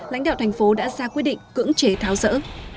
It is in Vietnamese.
lãnh đạo thành phố đã ra quyết định cưỡng chế tháo rỡ